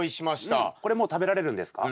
これもう食べられるんですか？